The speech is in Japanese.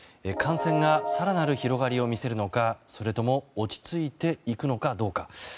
感染が更なる広がりを見せるのかそれとも落ち着いていくのかどうか。